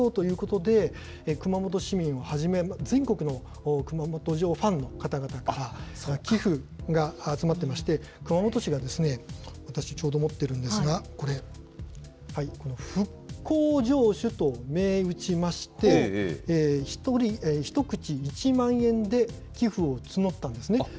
こうした復旧を支援しようということで、熊本市民をはじめ、全国の熊本城ファンの方々から、寄付が集まっていまして、熊本市が、私、ちょうど持っているんですが、これ、この復興城主と銘打ちまして、１口１万円で寄付を募ったんですね。